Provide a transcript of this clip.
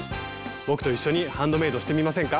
僕と一緒にハンドメイドしてみませんか？